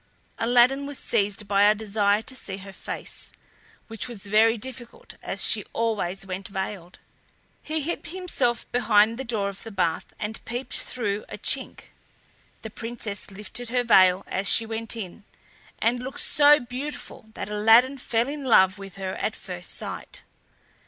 Aladdin was seized by a desire to see her face, which was very difficult, as she always went veiled. He hid himself behind the door of the bath, and peeped through a chink. The Princess lifted her veil as she went in, and looked so beautiful that Aladdin fell in love with her at first sight.